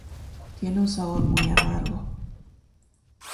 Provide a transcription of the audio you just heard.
Tiene un sabor muy amargo.